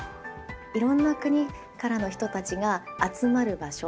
いろんな国からの人たちが集まる場所